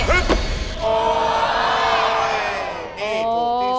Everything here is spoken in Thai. ไม่ถูกที่สุดหมูหย่อมกรอบ